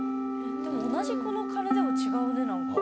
でも同じこの鐘でも違うね何か。